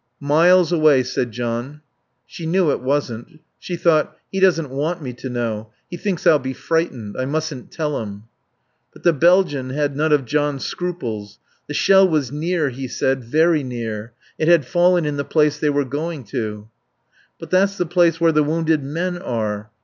"Miles away," said John. She knew it wasn't. She thought: He doesn't want me to know. He thinks I'll be frightened. I mustn't tell him. But the Belgian had none of John's scruples. The shell was near, he said; very near. It had fallen in the place they were going to. "But that's the place where the wounded men are."